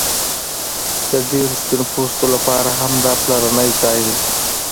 د ډیرو سپین پوستو لپاره هم دا پلرنی ځای دی